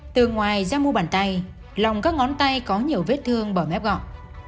từ ngoài ra mu bàn tay lòng các ngón tay có nhiều vết thương bờ mép gọn